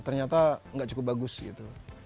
ternyata nggak cukup bagus gitu